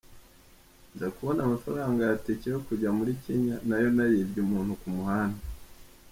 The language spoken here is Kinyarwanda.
Nza kubona amafaranga ya ticket yo kujya muri Kenya nayo nayibye umuntu ku muhanda.